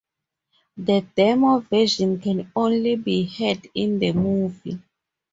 The demo version can only be heard in the movie.